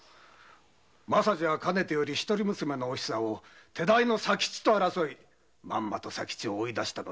政次はかねてより一人娘のお久を手代の佐吉と争いまんまと佐吉を追い出し。